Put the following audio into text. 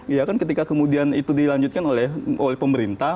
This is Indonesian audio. iya kan ketika kemudian itu dilanjutkan oleh pemerintah